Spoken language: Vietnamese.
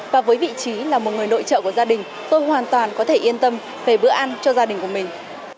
và với vị trí là một người nội trợ của gia đình tôi hoàn toàn có thể yên tâm về bữa ăn cho gia đình của mình